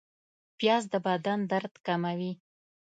پیاز د بدن درد کموي